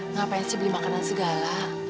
ngapain sih beli makanan segala